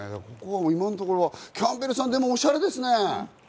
今のところはキャンベルさん、でもおしゃれですね。